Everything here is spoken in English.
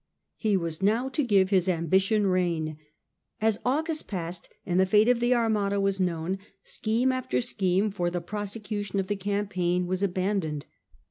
He was now to give his ambition rein. As August passed and the fate of the Armada was known, scheme after scheme for the prosecution of the campaign was abandoned.